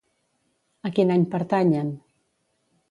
A quin any pertanyen?